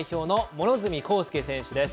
両角公佑選手です。